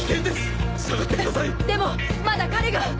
でもまだ彼が。